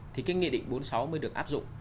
thì cái nghị định bốn mươi sáu mới được áp dụng